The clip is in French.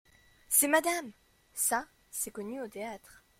C’est madame ! ça, c’est connu au théâtre.